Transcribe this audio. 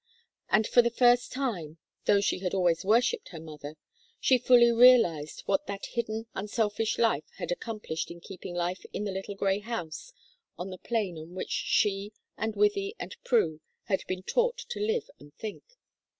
And for the first time, though she had always worshipped her mother, she fully realized what that hidden, unselfish life had accomplished in keeping life in the little grey house on the plane on which she and Wythie and Prue had been taught to live and think.